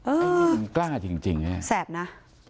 ไอ้มิจฉาชีพกล้าจริงไงแซบนะ